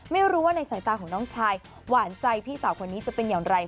ไม่รู้ว่าในสายตาของน้องชายหวานใจพี่สาวคนนี้จะเป็นอย่างไร